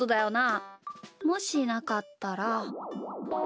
もしなかったら。